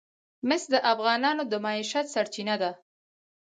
مس د افغانانو د معیشت سرچینه ده.